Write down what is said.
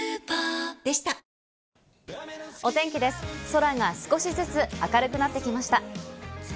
空が少しずつ明るくなってきました。